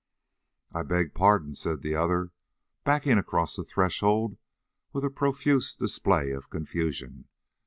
"I beg pardon," said the other, backing across the threshold, with a profuse display of confusion.